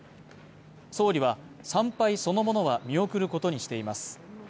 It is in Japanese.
総理は参拝そのものは見送ることにしています。